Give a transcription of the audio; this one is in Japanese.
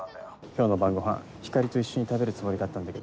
今日の晩ごはんひかりと一緒に食べるつもりだったんだけどさ。